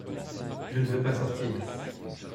Je ne veux pas sortir.